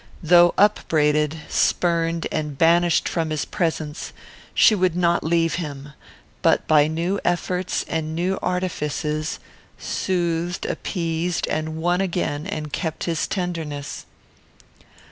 Though upbraided, spurned, and banished from his presence, she would not leave him, but, by new efforts and new artifices, soothed, appeased, and won again and kept his tenderness.